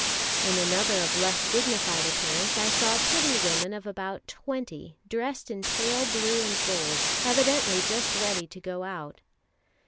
In another of less dignified appearance I saw a pretty woman of about twenty, dressed in pale blue and gold, evidently just ready to go out.